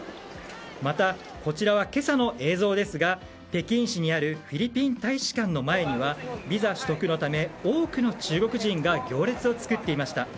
また、こちらは今朝の映像ですが北京市にあるフィリピン大使館の前にはビザ取得のため多くの中国人が行列を作っていました。